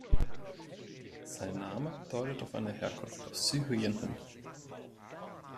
Sein Name deutet auf eine Herkunft aus Syrien hin.